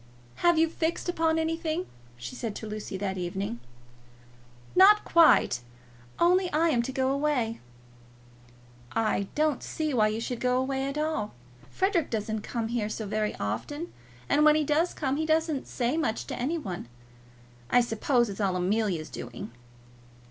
"Have you fixed upon anything?" she said to Lucy that evening. "Not quite; only I am to go away." "I don't see why you should go away at all. Frederic doesn't come here so very often, and when he does come he doesn't say much to any one. I suppose it's all Amelia's doing."